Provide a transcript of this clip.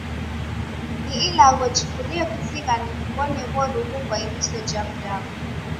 Ni ilagho jikurie kuzighana kuw'one w'oruw'u kwa iriso ja m'damu.